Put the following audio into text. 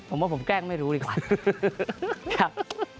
ผมว่าผมแกล้งไม่รู้ดีกว่าครับ